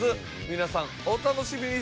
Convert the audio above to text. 皆さんお楽しみに！